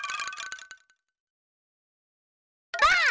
ばあっ！